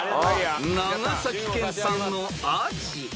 ［長崎県産のアジ］